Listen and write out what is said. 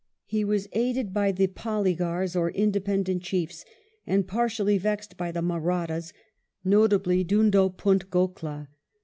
He was aided by the polygars^ or independent chiefs, and partially vexed by the Mahrattas, notably Doondo Punt Goklah.